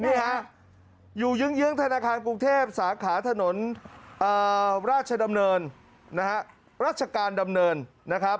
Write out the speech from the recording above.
นี่ครับอยู่ยึ้งธนาคารกรุงเทพฯสาขาถนนราชดำเนินราชการดำเนิน